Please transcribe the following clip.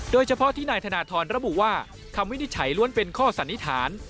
โดยเฉพาะที่นายธนทรระบุว่าคำวินิจฉัยล้วนเป็นข้อสันนิษฐาน